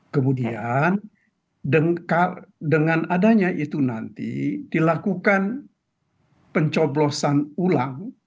kemudian dengan adanya itu nanti dilakukan pencoblosan ulang